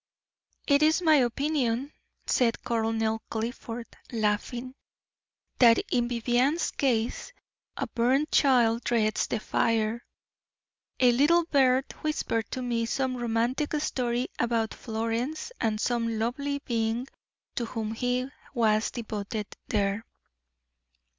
"It is my opinion," said Colonel Clifford, laughing, "that in Vivianne's case 'a burnt child dreads the fire.' A little bird whispered to me some romantic story about Florence and some lovely being to whom he was devoted there."